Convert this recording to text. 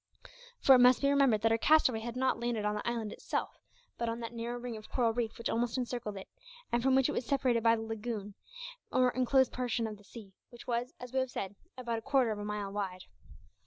For it must be remembered that our castaway had not landed on the island itself, but on that narrow ring of coral reef which almost encircled it, and from which it was separated by the lagoon, or enclosed portion of the sea, which was, as we have said, about a quarter of a mile wide.